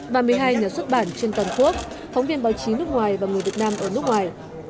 và một mươi hai nhà xuất bản trên toàn quốc phóng viên báo chí nước ngoài và người việt nam ở nước ngoài